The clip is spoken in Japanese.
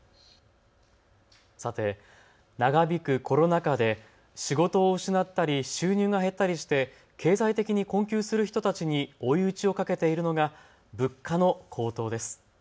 さて、長引くコロナ禍で仕事を失ったり、収入が減ったりして経済的に困窮する人たちに追い打ちをかけているのが物価の高騰です。